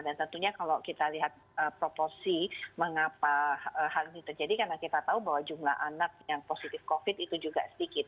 dan tentunya kalau kita lihat proporsi mengapa hal ini terjadi karena kita tahu bahwa jumlah anak yang positif covid itu juga sedikit